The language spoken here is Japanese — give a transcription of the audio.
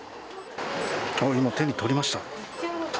今、手に取りました。